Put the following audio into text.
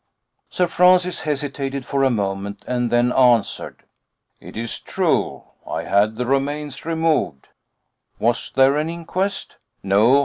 Sir Francis hesitated for a moment, and then answered: "It is true, I had the remains removed." "Was there an inquest?" "No.